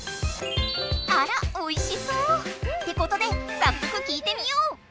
あらおいしそってことでさっそく聞いてみよう！